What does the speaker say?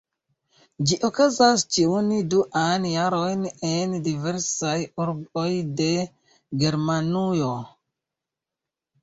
Ĝi okazas ĉiun duan jaron en diversaj urboj de Germanujo.